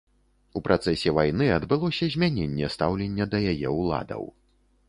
У працэсе вайны адбылося змяненне стаўлення да яе ўладаў.